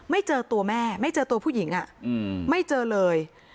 ไม่เจอตัวแม่ไม่เจอตัวผู้หญิงไม่เจอเลย